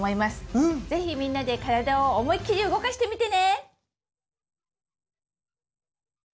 是非みんなで体を思いっきり動かしてみてね！